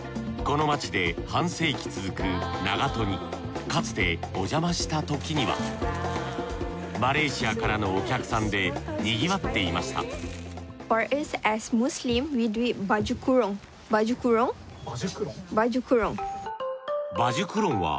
この街で半世紀続くナガトにかつておじゃましたときにはマレーシアからのお客さんでにぎわっていましたバジュクロン？